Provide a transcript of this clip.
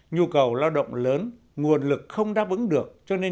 nhu cầu lao động lớn nguồn lực không đáp ứng được cho nên